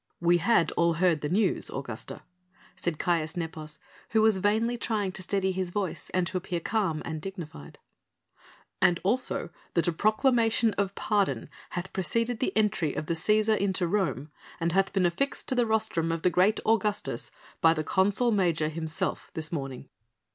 "We had all heard the news, Augusta," said Caius Nepos who was vainly trying to steady his voice and to appear calm and dignified, "and also that a proclamation of pardon hath preceded the entry of the Cæsar into Rome and hath been affixed to the rostrum of the great Augustus by the consul major himself this morning."